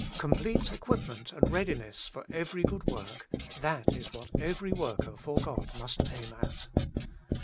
Complete equipment and readiness for every good work — that is what every worker for God must aim at.